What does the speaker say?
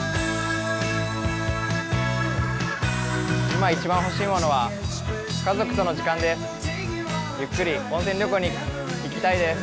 今、一番欲しいものは家族との時間です。